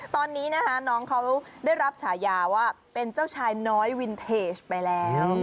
ตอนนี้นะคะน้องเขาได้รับฉายาว่าเป็นเจ้าชายน้อยวินเทจไปแล้ว